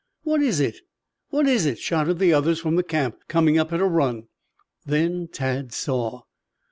"What is it? What is it?" shouted the others from the camp, coming up on a run. Then Tad saw.